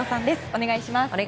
お願いします。